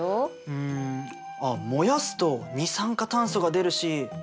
うん。あっ燃やすと二酸化炭素が出るしえっ